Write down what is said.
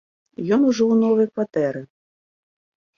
Ён ужо ў новай кватэры.